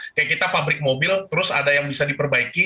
kayak kita pabrik mobil terus ada yang bisa diperbaiki